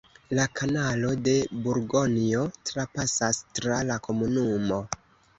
La kanalo de Burgonjo trapasas tra la komunumo.